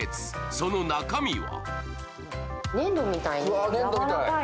その中身は？